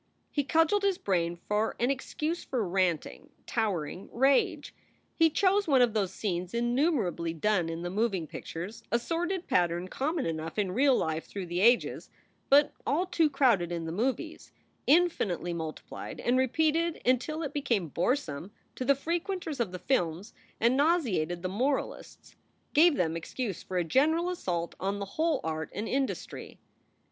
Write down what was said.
He cudgeled his brain for an excuse for ranting, towering rage. He chose one of those scenes innumerably done in the moving pictures, a sordid pattern common enough in real life through the ages, but all too crowded in the movies, infinitely multiplied and repeated until it became boresome to the frequenters of the films and nauseated the moralists, gave them excuse for a general assault on the whole art and industry.